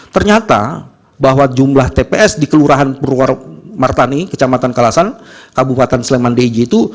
ternyata bahwa jumlah tps di kelurahan purwaruk martani kecamatan kalasan kabupaten sleman dj itu